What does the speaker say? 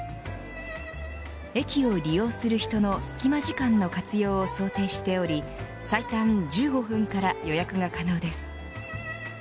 駅を利用する人の隙間時間の活用を想定しており最短１５分から予約が可能です。